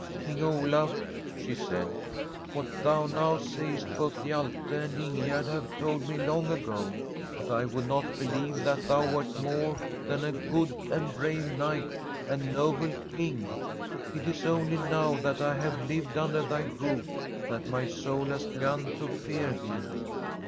* King Olaf,' she said, ' what thou now sayest both Hjalte and Ingegerd have told me long ago, but I would not believe that thou wcrt more than a good and brave knight and noble King. It is 1 215] From a SffEDISH HOMESTEAD only now that I have lived under thy rooi that my soul has begun to fear thee.